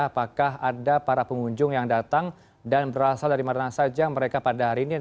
apakah ada para pengunjung yang datang dan berasal dari mana saja mereka pada hari ini